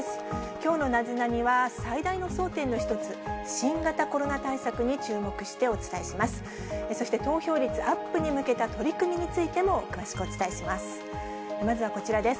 きょうのナゼナニっ？は、最大の争点の一つ、新型コロナ対策に注目してお伝えします。